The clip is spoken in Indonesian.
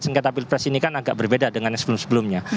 sengketa pilpres ini kan agak berbeda dengan yang sebelum sebelumnya